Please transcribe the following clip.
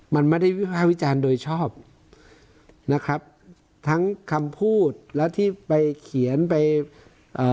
มันไม่ได้วิภาควิจารณ์โดยชอบนะครับทั้งคำพูดและที่ไปเขียนไปเอ่อ